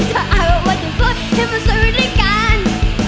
ถ้าหากว่ามันจะซวยให้มันซวยไปด้วยกัน